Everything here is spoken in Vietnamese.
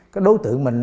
cái đối tượng mình